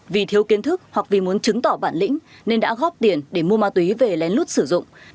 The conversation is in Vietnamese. vì thiếu kiến thức hoặc vì muốn chứng tỏ bản lĩnh nên đã góp tiền để mua ma túy về lén lút sử dụng